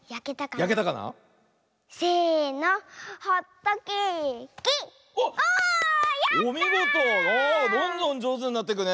あどんどんじょうずになってくね。